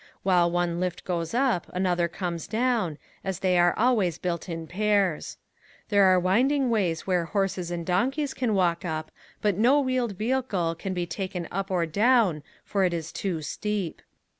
While one lift goes up another comes down as they are always built in pairs. There are winding ways where horses and donkeys can walk up but no wheeled vehicle can be taken up or down for it is too steep.